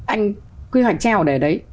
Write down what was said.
anh quy hoạch treo để ở đấy